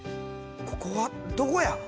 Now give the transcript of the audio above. ここはどこや！？